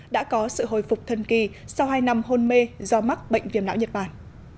đã có sự hồi phục thân kỳ sau hai năm hôn mê do mắc bệnh viện lão nhật bản